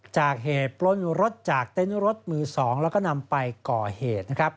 จากเหตุปล้นรถจากเต็นต์รถมือ๒แล้วก็นำไปก่อเหตุนะครับ